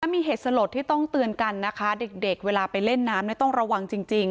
มีเหตุสลดที่ต้องเตือนกันนะคะเด็กเวลาไปเล่นน้ำต้องระวังจริง